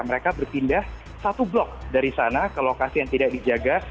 mereka berpindah satu blok dari sana ke lokasi yang tidak dijaga